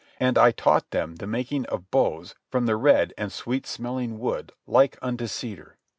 And I taught them the making of bows from the red and sweet smelling wood like unto cedar.